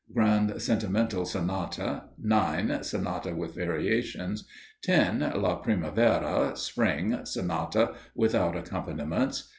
Grand Sentimental Sonata. 9. Sonata, with variations. 10. "La Primavera," (Spring), Sonata, without accompaniments.